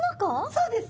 そうです！